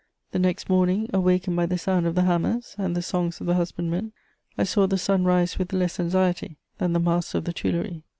The next morning, awakened by the sound of the hammers and the songs of the husbandmen, I saw the sun rise with less anxiety than the master of the Tuileries.